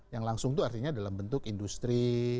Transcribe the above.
yang langsung itu artinya dalam bentuk industri